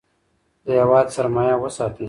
د هیواد سرمایه وساتئ.